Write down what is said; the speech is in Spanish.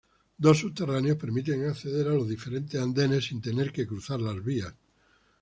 Dos subterráneos permiten acceder a los diferentes andenes si tener que cruzar las vías.